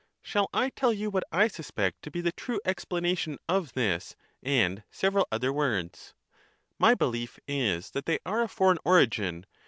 Shall I tell you what I suspect to be the true expla nation of this and several other words ?— My belief is that they are of foreign origin.